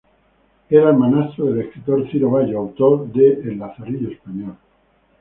Era hermanastro del escritor Ciro Bayo, autor de "El lazarillo español".